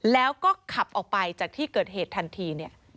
แล้วก็ขับออกไปจากที่เกิดเหตุทันทีเนี่ย